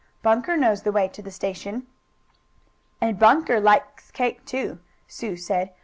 Bunker knows the way to the station." "And Bunker likes cake, too," Sue said.